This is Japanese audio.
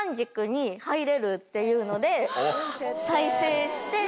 っていうので再生して。